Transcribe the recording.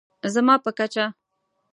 زما په کچه